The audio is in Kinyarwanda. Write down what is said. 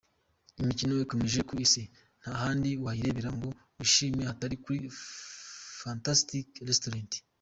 Imikino ikomeye ku isi nta handi wayirebera ngo wishime hatari muri Fantastic Restaurant.